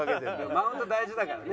マウント大事だからね。